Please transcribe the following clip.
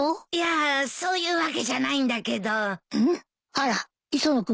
あら磯野君